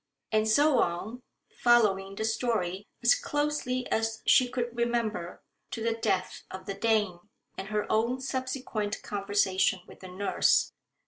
And so on, following the story as closely as she could remember, to the death of the Dane and her own subsequent conversation with the nurse.